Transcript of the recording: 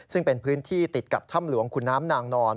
ซึ่งเป็นพื้นที่ติดกับถ้ำหลวงขุนน้ำนางนอน